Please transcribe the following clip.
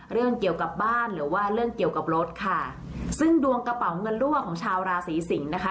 เรื่องเกี่ยวกับบ้านหรือว่าเรื่องเกี่ยวกับรถค่ะซึ่งดวงกระเป๋าเงินรั่วของชาวราศีสิงศ์นะคะ